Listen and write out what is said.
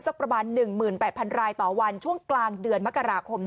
ประมาณ๑๘๐๐รายต่อวันช่วงกลางเดือนมกราคม